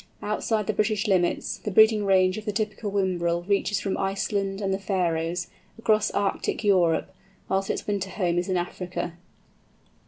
Outside the British limits, the breeding range of the typical Whimbrel reaches from Iceland and the Faröes, across Arctic Europe, whilst its winter home is in Africa.